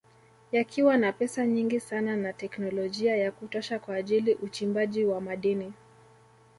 Yakiwa na pesa nyingi sana na teknolojia ya kutosha kwa ajili uchimbaji wa madini